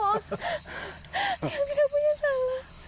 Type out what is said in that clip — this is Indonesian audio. diam tidak punya salah